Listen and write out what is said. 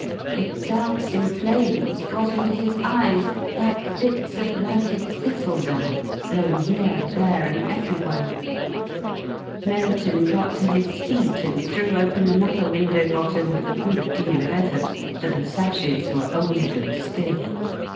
The dancing flames got into his eyes like bits of lighted thistledown blown here, there, and everywhere. Merriton got to his feet and threw open another window bottom with a good deal of effort, for the sashes were old and stiff.